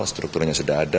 strukturnya sudah ada